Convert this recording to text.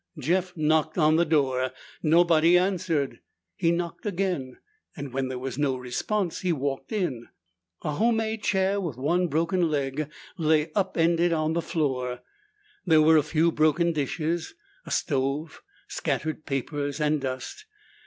Jeff knocked on the door. Nobody answered. He knocked again, and when there was no response, he walked in. A homemade chair with one broken leg lay upended on the floor. There were a few broken dishes, a stove, scattered papers and dust.